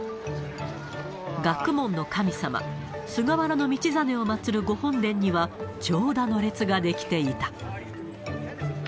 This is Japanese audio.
学問の神様、菅原道真を祭る御本殿には、長蛇の列が出来ていた。